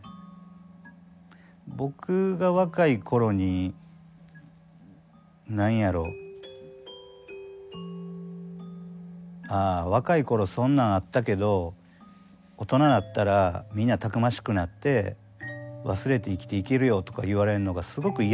僕が若い頃に何やろ「ああ若い頃そんなんあったけど大人なったらみんなたくましくなって忘れて生きていけるよ」とか言われるのがすごく嫌やったんですよね。